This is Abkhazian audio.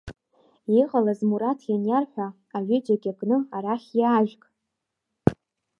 Иҟалаз Мураҭ ианиарҳәа, аҩыџьагьы кны, арахь иаажәг!